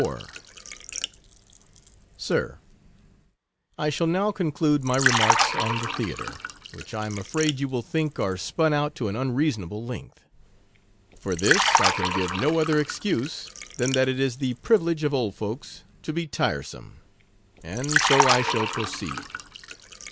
Sir, I shall now conclude my remarks on the Theatre, which I am afraid you will think are spun out to an unreasonable length ; for this I can give no other excuse, than that it is the privilege of old folks to be tiresome, and so 1 shall proceed.